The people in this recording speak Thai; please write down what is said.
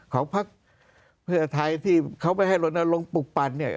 พักเพื่อไทยที่เขาไม่ให้ลนลงปลุกปั่นเนี่ย